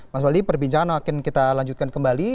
mas wali perbincangan akan kita lanjutkan kembali